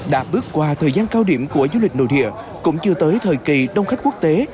đã bước qua thời gian cao điểm của du lịch nội địa cũng chưa tới thời kỳ đông khách quốc tế